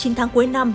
trên tháng cuối năm